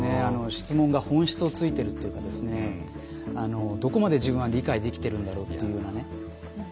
質問が本質を突いているというかどこまで自分は理解できているんだろうっていうようなね自問してしまいますね。